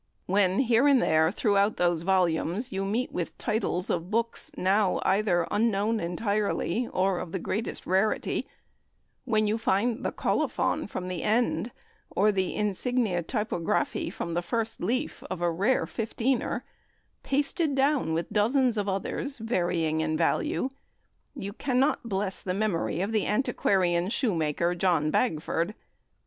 When here and there throughout those volumes you meet with titles of books now either unknown entirely, or of the greatest rarity; when you find the Colophon from the end, or the "insigne typographi" from the first leaf of a rare "fifteener," pasted down with dozens of others, varying in value, you cannot bless the memory of the antiquarian shoemaker, John Bagford.